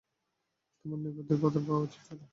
তোমার নির্বুদ্ধির পাথর পাওয়া উচিৎ ছিল।